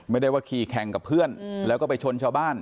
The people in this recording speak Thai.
ไม่ได้ว่าขี่แข่งกับเพื่อนแล้วก็ไปชนชาวบ้าน